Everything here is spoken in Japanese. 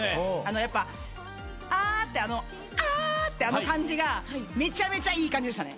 やっぱ「あ」ってあの「あ」ってあの感じがめちゃめちゃいい感じでしたね。